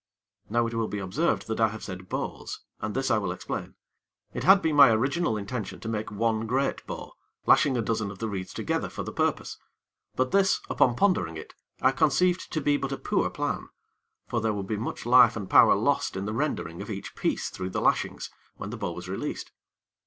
Now, it will be observed that I have said bows, and this I will explain. It had been my original intention to make one great bow, lashing a dozen of the reeds together for the purpose; but this, upon pondering it, I conceived to be but a poor plan; for there would be much life and power lost in the rendering of each piece through the lashings, when the bow was released.